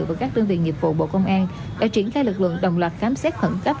và các đơn vị nghiệp vụ bộ công an đã triển khai lực lượng đồng loạt khám xét khẩn cấp